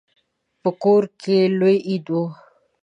په کور کې لوی عید و.